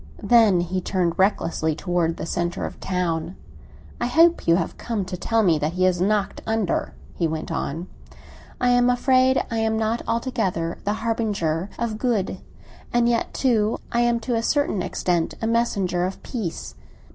Then he turned recklessly toward the centre of the town. "I hope you have come to tell me that he has knocked under," he went on. "I am afraid I am not altogether a harbinger of good; and yet, too, I am to a certain extent a messenger of peace.